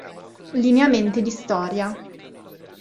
Lineamenti di storia".